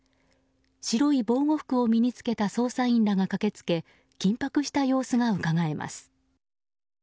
白い防護服を身に着けた捜査員らが駆け付け緊迫した様子がうかがえます。